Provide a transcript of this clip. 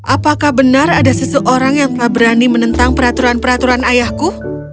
apakah benar ada seseorang yang tak berani menentang peraturan peraturan ayahku